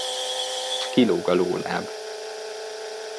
Kilóg a lóláb.